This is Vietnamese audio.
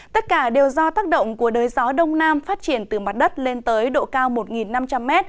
tất cả đều do tác động của đới gió đông nam phát triển từ mặt đất lên tới độ cao một năm trăm linh m